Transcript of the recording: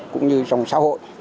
cũng như trong xã hội